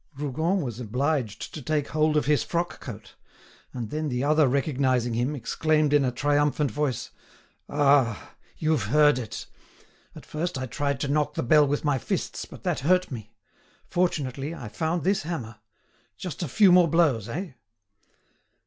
Rougon was obliged to take hold of his frock coat, and then the other recognising him, exclaimed in a triumphant voice: "Ah! you've heard it. At first I tried to knock the bell with my fists, but that hurt me. Fortunately I found this hammer. Just a few more blows, eh?"